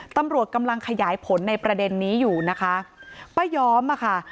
ตำรวจกำลังขยายผลในประเด็นนี้อยู่นะคะป้าย้อมอ่ะค่ะ